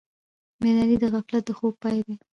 بیداري د غفلت د خوب پای دی.